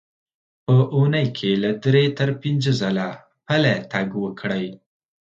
په اوونۍ کې له درې تر پنځه ځله پلی تګ وکړئ.